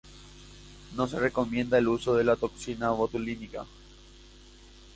No se recomienda el uso de la toxina botulínica.